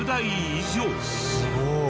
すごい。